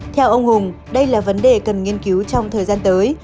theo ông hùng đây là vấn đề cần nghiên cứu trong thời gian tới